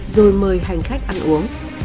rồi mời hành khách ăn uống